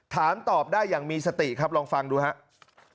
ถามตอบได้อย่างมีสติครับลองฟังดูครับ